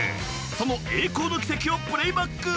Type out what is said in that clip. その栄光の軌跡をプレーバック。